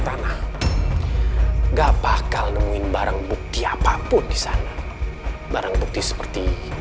kok kayaknya kaget banget